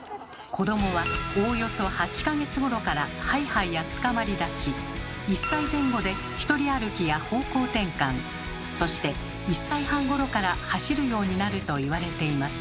子どもはおおよそ８か月ごろからハイハイやつかまり立ち１歳前後でひとり歩きや方向転換そして１歳半ごろから走るようになると言われています。